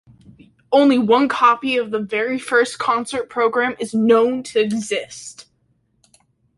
Only one copy of the very first concert program is known to exist.